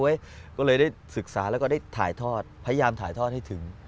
เราก็ได้ศึกษาและพยายามถ่ายทอดให้ถึง